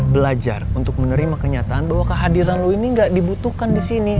belajar untuk menerima kenyataan bahwa kehadiran lo ini gak dibutuhkan disini